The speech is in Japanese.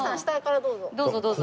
どうぞ。